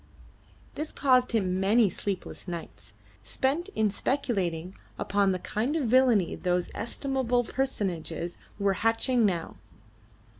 This caused him many sleepless nights, spent in speculating upon the kind of villainy those estimable personages were hatching now.